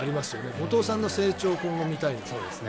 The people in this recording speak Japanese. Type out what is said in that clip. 後藤さんの成長を今後見たいですね。